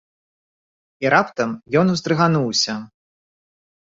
І раптам ён уздрыгануўся.